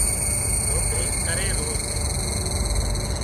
نوڪري ڪري رو سي